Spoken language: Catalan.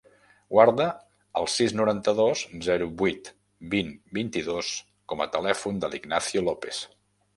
Guarda el sis, noranta-dos, zero, vuit, vint, vint-i-dos com a telèfon de l'Ignacio Lopes.